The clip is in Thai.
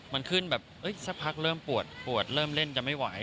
มันแบบสักพักเริ่มป่วนเริ่มเล่นจังไม่ไหว